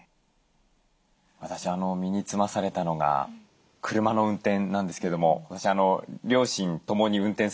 私身につまされたのが車の運転なんですけども私両親ともに運転するんですよ。